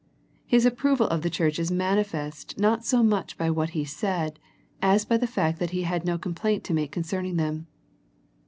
His approval of this church is manifest not so much by what He said, as by the fact that He had no complaint to make concerning them.